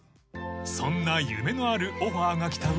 ［そんな夢のあるオファーが来た内